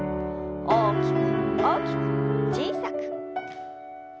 大きく大きく小さく。